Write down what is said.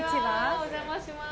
お邪魔します。